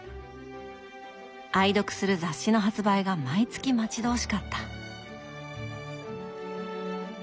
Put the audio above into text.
愛読する雑誌の発売が毎月待ち遠しかった。